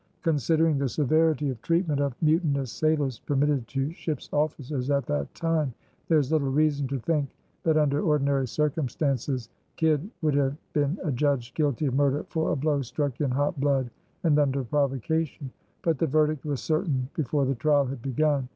Considering the severity of treatment of mutinous sailors permitted to ships' officers at that time, there is little reason to think that under ordinary circumstances Kidd would have been adjudged guilty of murder for a blow struck in hot blood and under provocation; but the verdict was certain before the trial had begun.